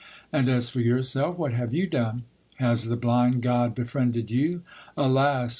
And as for yourself, what have you done ? has the blind god befriended you ? Alas